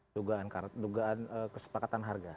dugaan kesepakatan harga